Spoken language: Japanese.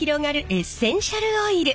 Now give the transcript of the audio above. エッセンシャルオイル。